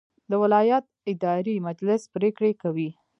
د ولایت اداري مجلس پریکړې کوي